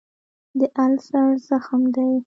د السر زخم دی.